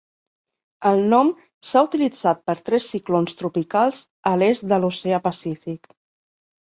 El nom s"ha utilitzat per tres ciclons tropicals a l"est de l"Oceà Pacífic.